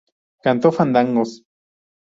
canto fandangos